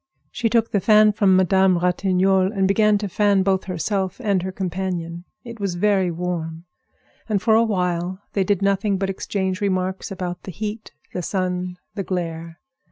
She took the fan from Madame Ratignolle and began to fan both herself and her companion. It was very warm, and for a while they did nothing but exchange remarks about the heat, the sun, the glare.